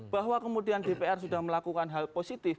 bahwa kemudian dpr sudah melakukan hal positif